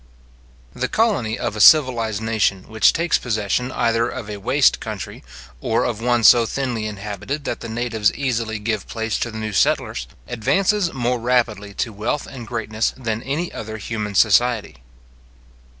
The colony of a civilized nation which takes possession either of a waste country, or of one so thinly inhabited that the natives easily give place to the new settlers, advances more rapidly to wealth and greatness than any other human society.